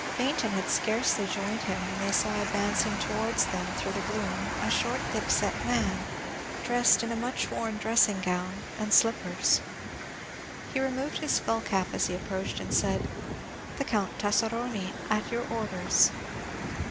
Baynton had scarcely joined him when they saw advancing towards them through the gloom a short, thickset man, dressed in a much worn dressing gown and slippers. He removed his skull cap as he approached, and said, "The Count Tasseroni, at your orders."